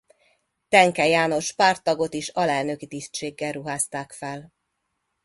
Tenke János párttagot is alelnöki tisztséggel ruházták fel.